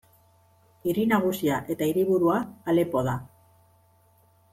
Hiri nagusia eta hiriburua Alepo da.